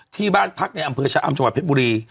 ที่บ้านพักในอำเภอชะอำชมเพชรบุรี